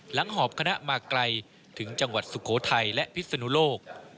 หอบคณะมาไกลถึงจังหวัดสุโขทัยและพิศนุโลก